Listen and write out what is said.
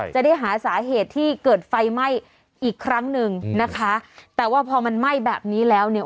จะได้หาสาเหตุที่เกิดไฟไหม้อีกครั้งหนึ่งนะคะแต่ว่าพอมันไหม้แบบนี้แล้วเนี่ย